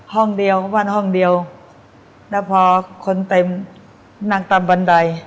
ห้องเดียวบ้านห้องเดียวแล้วพอคนเต็มนั่งตามบันได